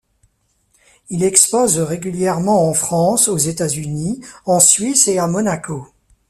Il expose régulièrement en France, aux États-Unis, en Suisse et à Monaco.